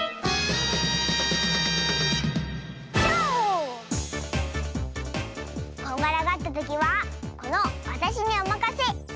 とう！こんがらがったときはこのわたしにおまかせ。